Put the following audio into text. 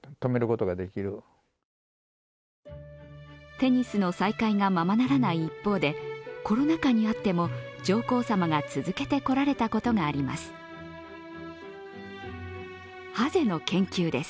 テニスの再開がままならない一方で、コロナ禍にあっても上皇さまが続けてこられたことがあります。